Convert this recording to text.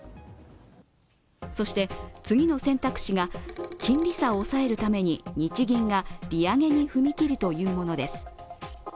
そして、次の選択肢が金利差を抑えるために日銀が利上げに踏み切るというものです。